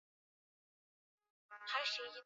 We tumbo nitakupa nini, uwe umetosheka?